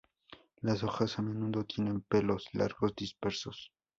Las hojas a menudo tienen pelos largos dispersos.